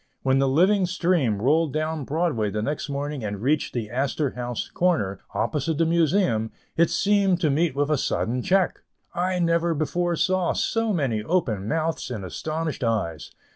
When the living stream rolled down Broadway the next morning and reached the Astor House corner, opposite the Museum, it seemed to meet with a sudden check. I never before saw so many open mouths and astonished eyes.